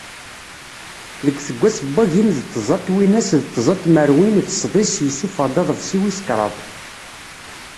Deg useggas n wagim d tẓa n twinas d tẓa n tmerwin d sḍis yessuffeɣ-d aḍbsi wis kraḍ.